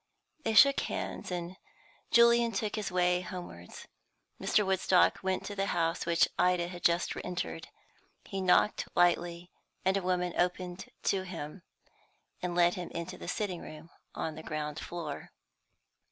They shook hands, and Julian took his way homewards. Mr. Woodstock went to the house which Ida had just entered. He knocked lightly, and a woman opened to him and led him into a sitting room on the ground floor.